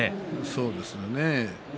そうですね。